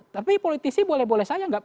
tapi politisi boleh boleh saja